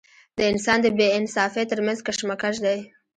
د انسان د بې انصافۍ تر منځ کشمکش دی.